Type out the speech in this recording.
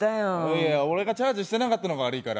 いや、俺がチャージしてなかっのたが悪いから。